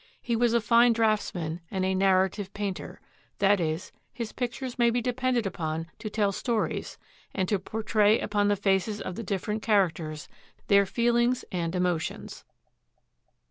He was a fine draughtsman and a "narrative painter," that is, his pictures may be depended upon to tell stories and to portray upon the faces of the dif ferent characters their feelings and emotions.